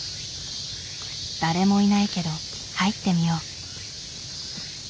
誰もいないけど入ってみよう。